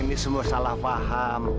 kamu tahu dong mama kamu kalau sudah panik kan